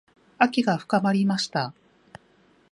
秋が深まりました。